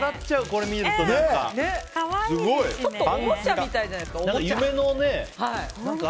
これ見ると何か。